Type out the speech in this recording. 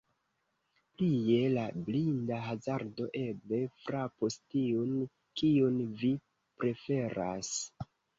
Plie la blinda hazardo eble frapus tiun, kiun vi preferas.